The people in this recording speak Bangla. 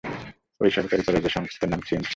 এই সরকারি কলেজের সংক্ষিপ্ত নাম "সিমস"।